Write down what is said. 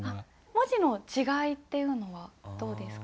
文字の違いっていうのはどうですか？